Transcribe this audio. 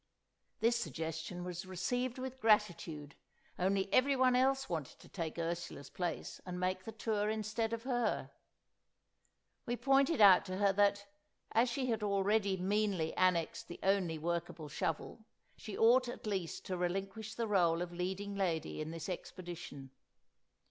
This suggestion was received with gratitude, only everyone else wanted to take Ursula's place, and make the tour instead of her. We pointed out to her that, as she had already meanly annexed the only workable shovel, she ought at least to relinquish the rôle of leading lady in this expedition.